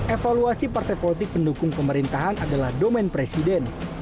evaluasi partai politik pendukung pemerintahan adalah domen presiden